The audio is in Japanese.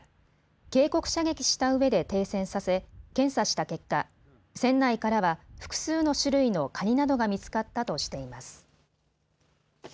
警告射撃したうえで停船させ検査した結果、船内からは複数の種類のカニなどが見つかったとしています。